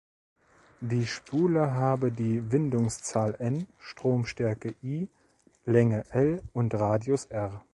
Die Spule habe die Windungszahl "N", Stromstärke "I", Länge "l" und Radius "R".